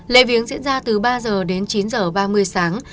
lễ viếng diễn ra từ ba giờ đến chín h ba mươi sáng